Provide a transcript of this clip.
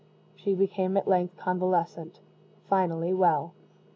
She became at length convalescent finally, well.